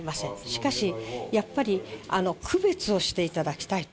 しかし、やっぱり区別をしていただきたいと。